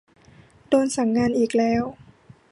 โดนสั่งงานอีกแล้ว